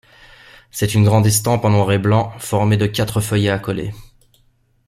C'est une grande estampe en noir et blanc, formée de quatre feuillets accolés.